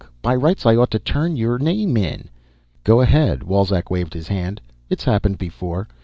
By rights, I ought to turn your name in." "Go ahead." Wolzek waved his hand. "It's happened before.